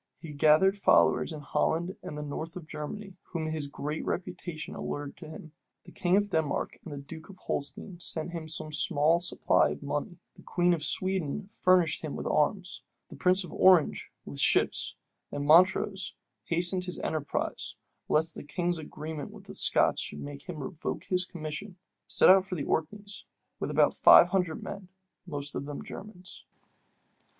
He gathered followers in Holland and the north of Germany whom his great reputation allured to him. The king of Denmark and duke of Holstein sent him some small supply of money; the queen of Sweden furnished him with arms; the prince of Orange with ships; and Montrose, hastening his enterprise, lest the king's agreement with the Scots should make him revoke his commission, set out for the Orkneys with about five hundred men, most of them Germans.